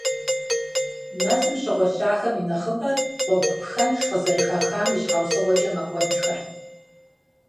Мэзым щыгъуэщахэм и нэхъыбэр гъуэгу пхэнж къызэрыхахам и щхьэусыгъуэкӏэ мэкӏуэдхэр.